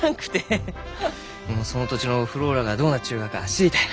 その土地のｆｌｏｒａがどうなっちゅうがか知りたい。